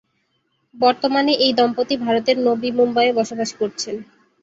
বর্তমানে এই দম্পতি ভারতের নবি মুম্বাইয়ে বসবাস করছেন।